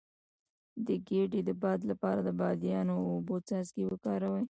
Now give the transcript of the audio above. د ګیډې د باد لپاره د بادیان او اوبو څاڅکي وکاروئ